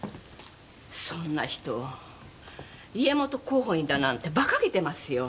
そんな人を家元候補にだなんてバカげてますよ！